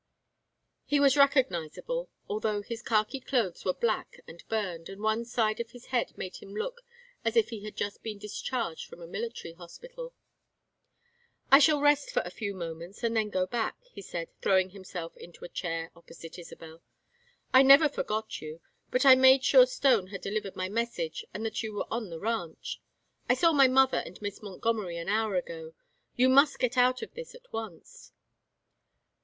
He was recognizable, although his khaki clothes were black and burned, and one side of his head made him look as if he had just been discharged from a military hospital. "I shall rest for a few moments and then go back," he said, throwing himself into a chair opposite Isabel. "I never forgot you, but I made sure Stone had delivered my message and that you were on the ranch. I saw my mother and Miss Montgomery an hour ago. You must get out of this at once."